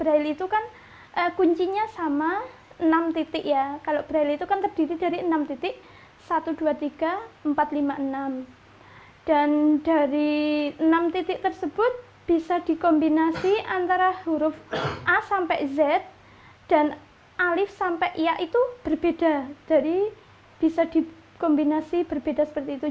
alif sampai iya itu berbeda dari bisa dikombinasi berbeda seperti itu